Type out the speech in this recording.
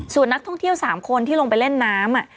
ส่วนนักท่องเที่ยว๓คนที่ลงไปเล่นน้ำ